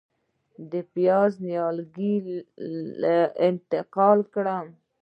د پیاز نیالګي کله انتقال کړم؟